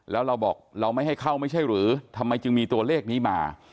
แล้วเราบอกเราไม่ให้เข้าไม่ใช่หรือทำไมจึงมีตัวเลขนี้มา